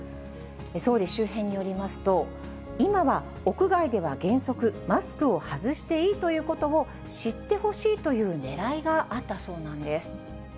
総理周辺によりますと、今は屋外では、原則マスクを外していいということを知ってほしいというねらいがあったそうなんです。